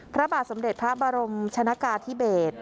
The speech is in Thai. พระบาทสมเด็จพระบรมชนะกาธิเบศ